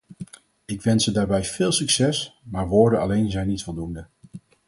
Ik wens ze daarbij veel succes, maar woorden alleen zijn niet voldoende.